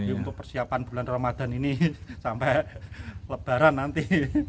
untuk persiapan bulan ramadan ini sampai lebaran nanti